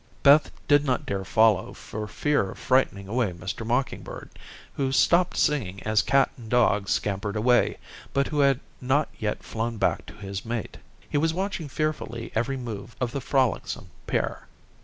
Beth did not dare follow for fear of frightening away Mr. Mocking Bird, who stopped singing as cat and dog scampered away, but who had not yet flown back to his mate. He was watching fearfully every move of the frolicsome pair.